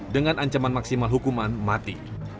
dengan ancaman maksimal hukuman mati